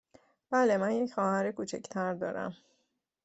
بله، من یک خواهر کوچک تر دارم.